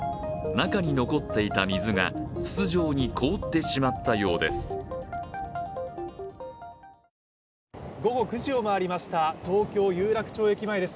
中に残っていた水が、筒状に凍ってしまったようです。